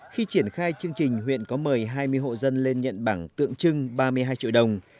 khi triển khai chương trình huyện có mời hai mươi hộ dân lên nhận bảng tượng trưng ba mươi hai triệu đồng